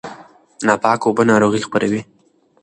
ناپاکه اوبه ناروغي خپروي.